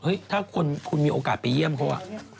ถ้าคุณมีโอกาสไปเยี่ยมเขา